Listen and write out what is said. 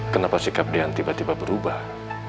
kenapa sikap dia tiba tiba berubah